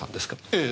ええ。